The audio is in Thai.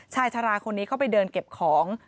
ชายชะลาคนนี้เข้าไปเดินเก็บของ